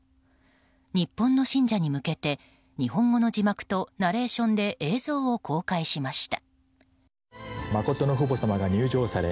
日本の信者に向けて日本語の字幕とナレーションで映像を公開しました。